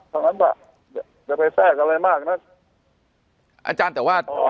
ทำนั้นแหละจะไปแทรกอะไรมากนั้นอาจารย์แต่ว่าอ๋อ